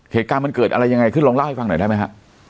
เหตุการณ์มันเกิดอะไรยังไงขึ้นลองเล่าให้ฟังหน่อยได้ไหมฮะ